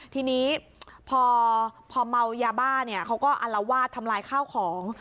ทีนี้พอเมายาบ้าเนี่ยเขาก็อลวาดทำลายข้าวของ